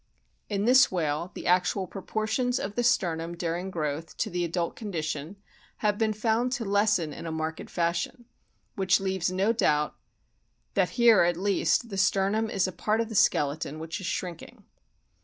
In this whale the actual proportions of the sternum during growth to the adult condition have been found to lessen in a marked fashion, which leaves no doubt that here at least the sternum is a part of the skeleton which is shrinking.